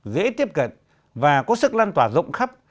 dễ tiếp cận và có sức lan tỏa rộng khắp